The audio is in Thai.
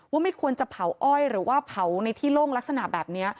ว่าไม่ควรจะเผาอ้อยหรือว่าเผาในที่โล่งลักษณะแบบนี้